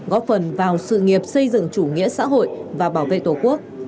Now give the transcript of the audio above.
góp phần vào sự nghiệp xây dựng chủ nghĩa xã hội và bảo vệ tổ quốc